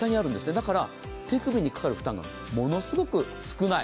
だから手首にかかる負担がものすごく少ない。